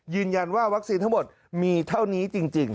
ยืนยันว่าวัคซีนทั้งหมดมีเท่านี้จริง